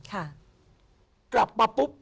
กลับมาปุ๊บ